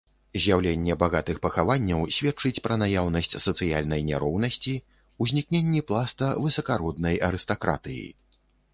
З'яўленне багатых пахаванняў сведчыць пра наяўнасць сацыяльнай няроўнасці, узнікненні пласта высакароднай арыстакратыі.